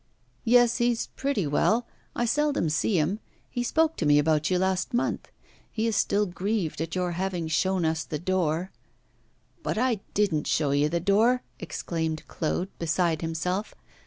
'Yes, he's pretty well. I seldom see him. He spoke to me about you last month. He is still grieved at your having shown us the door.' 'But I didn't show you the door,' exclaimed Claude, beside himself.